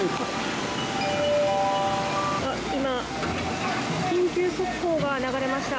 今、緊急速報が流れました。